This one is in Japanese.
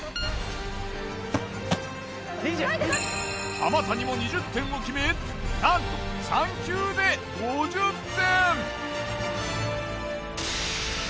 浜谷も２０点を決めなんと３球で５０点！